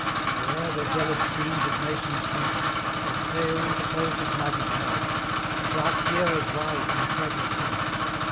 Or e'er the jealous queens of nations greet, Doth Tayo interpose his mighty tide? Or dark sierras rise in craggy pride?